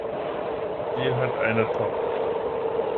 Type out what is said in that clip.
Sie hat eine Tochter.